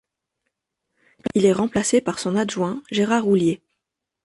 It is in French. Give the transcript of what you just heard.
Il est remplacé par son adjoint Gérard Houllier.